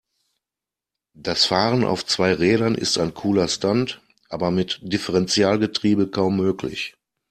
Das Fahren auf zwei Rädern ist ein cooler Stunt, aber mit Differentialgetriebe kaum möglich.